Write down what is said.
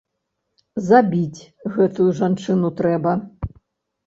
Забіць гэтую жанчыну трэба.